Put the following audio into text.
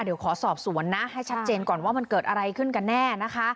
เดี๋ยวขอสอบสวนนะให้ชัดเจนก่อนว่ามันเกิดอะไรขึ้นกันแน่นะคะ